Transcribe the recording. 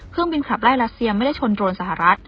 เครื่องบินขับไล่รัสเซียไม่ได้ชนโดรนสหรัฐ